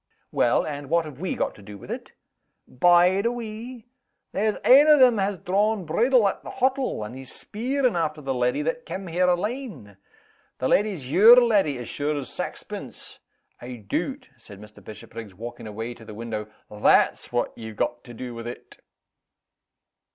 "Well and what have we got to do with it?" "Bide a wee! There's ane o' them has drawn bridle at the hottle, and he's speerin' after the leddy that cam' here alane. The leddy's your leddy, as sure as saxpence. I doot," said Mr. Bishopriggs, walking away to the window, "that's what ye've got to do with it."